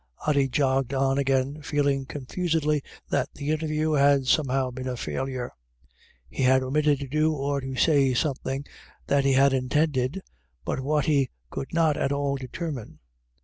Ody jogged on again, feeling confusedly that the interview had somehow been a failure. He had omitted to do or to say something that he had intended, but what he could not at all determine.